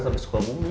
sampai suka bumi